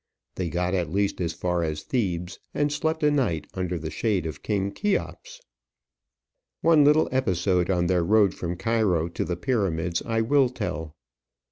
They got as least as far as Thebes, and slept a night under the shade of King Cheops. One little episode on their road from Cairo to the Pyramids, I will tell.